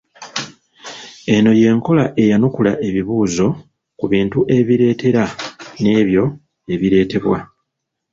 Eno y’enkola ey’anukula ebibuuzo ku bintu ebireetera n’ebyo ebireetebwa.